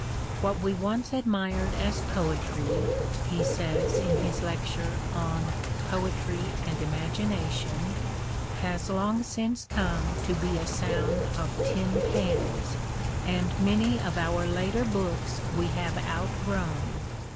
What we once admired as foetry [he says in his 'lecture on " Poetry and Imagination "] has long since come to be a sound of tin pans ; and many of our later books we have outgrown.